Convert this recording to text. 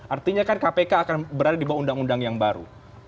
artinya kan kpk akan berada di bawah undang undang yang baru